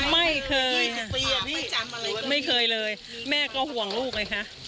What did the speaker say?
ไม่เคยไม่เคยเลยแม่ก็ห่วงลูกไงคะ